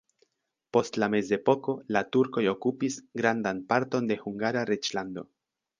Post la mezepoko la turkoj okupis grandan parton de Hungara reĝlando.